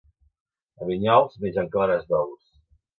A Vinyols, mengen clares d'ous.